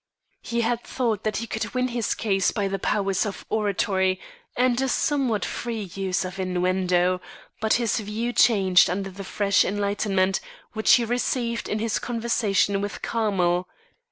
He had thought that he could win his case by the powers of oratory and a somewhat free use of innuendo; but his view changed under the fresh enlightenment which he received in his conversation with Carmel.